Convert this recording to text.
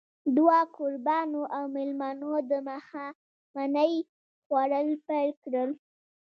دوه کوربانو او مېلمنو د ماښامنۍ خوړل پيل کړل.